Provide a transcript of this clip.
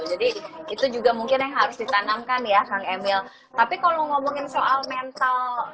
jadi itu juga mungkin yang harus ditanamkan ya kang emil tapi kalau ngomongin soal mental